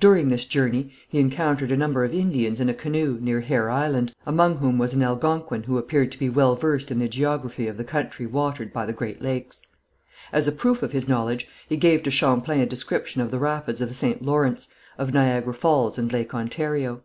During this journey he encountered a number of Indians in a canoe, near Hare Island, among whom was an Algonquin who appeared to be well versed in the geography of the country watered by the Great Lakes. As a proof of his knowledge, he gave to Champlain a description of the rapids of the St. Lawrence, of Niagara Falls and Lake Ontario.